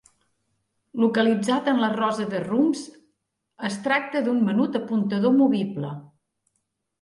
Localitzat en la rosa de rumbs es tracta d'un menut apuntador movible.